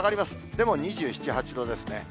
でも２７、８度ですね。